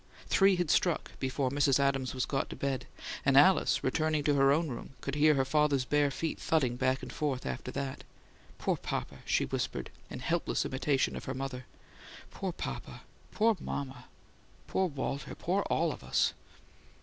Three had struck before Mrs. Adams was got to bed; and Alice, returning to her own room, could hear her father's bare feet thudding back and forth after that. "Poor papa!" she whispered in helpless imitation of her mother. "Poor papa! Poor mama! Poor Walter! Poor all of us!"